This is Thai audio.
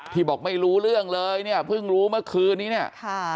บอกไม่รู้เรื่องเลยเนี่ยเพิ่งรู้เมื่อคืนนี้เนี่ยค่ะ